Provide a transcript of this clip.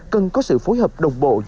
cần có sự phối hợp đồng bộ